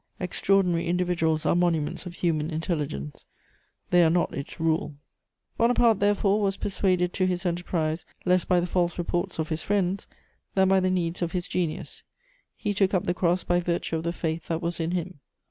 Extraordinary individuals are monuments of human intelligence; they are not its rule. Bonaparte, therefore, was persuaded to his enterprise less by the false reports of his friends than by the needs of his genius: he took up the cross by virtue of the faith that was in him.